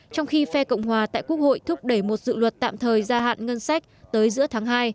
trong khi phe cộng hòa tại quốc hội thúc đẩy một dự luật tạm thời gia hạn ngân sách tới giữa tháng hai